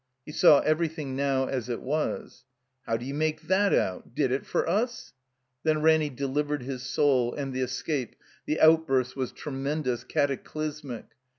He saw everything now as it was. "How d'you make that out? Did it for us!" Then Raimy delivered his soul, and the escape, the outburst was tremendous, cataclysmic.